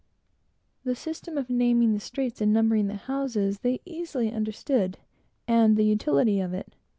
The system of naming the streets and numbering the houses, they easily understood, and the utility of it.